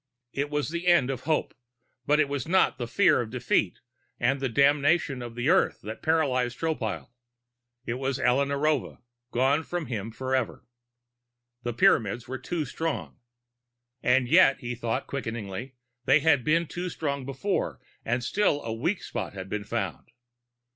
It was the end of hope; but it was not the fear of defeat and damnation for the Earth that paralyzed Tropile. It was Alla Narova, gone from him forever. The Pyramids were too strong. And yet, he thought, quickening, they had been too strong before and still a weak spot had been found!